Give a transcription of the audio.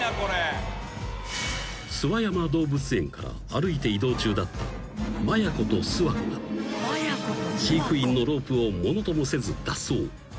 ［諏訪山動物園から歩いて移動中だった摩耶子と諏訪子が飼育員のロープをものともせず脱走］